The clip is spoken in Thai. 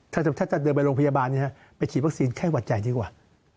ถ้าจะเดินไปโรงพยาบาลไปฉีดวัคซีนไข้หวัดใหญ่ดีกว่า